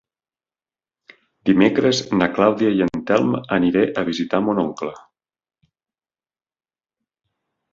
Dimecres na Clàudia i en Telm aniré a visitar mon oncle.